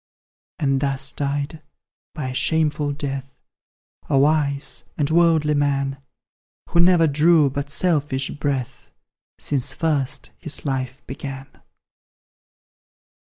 And thus died, by a shameful death, A wise and worldly man, Who never drew but selfish breath Since first his life began.